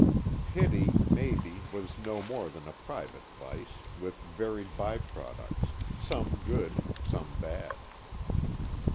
Pity, maybe, was no more than a private vice, with varied by products, some good, some bad.